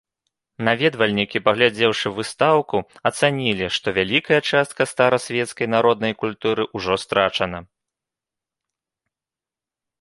Наведвальнікі, паглядзеўшы выстаўку, ацанілі, што вялікая частка старасвецкай народнай культуры ўжо страчана.